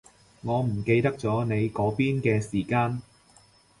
我唔記得咗你嗰邊嘅時間